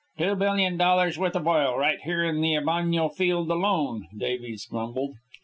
"Two billion dollars worth of oil right here in the Ebaño field alone," Davies grumbled.